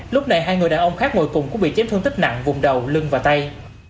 lúc này hai người đàn ông khác ngồi cùng cũng bị chém thương tích nặng vùng đầu lưng và tay